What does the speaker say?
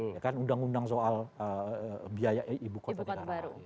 ya kan undang undang soal biaya ibu kota negara